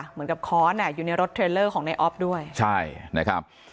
เหมือนกับค้อนอยู่ในรถเทรลเลอร์ของในออฟด้วยใช่นะครับ